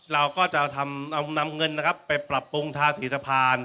เราก็จะเอานำเงินนะครับไปปรับปรุงทาสีสะพาน